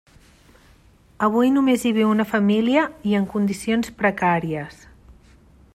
Avui només hi viu una família i en condicions precàries.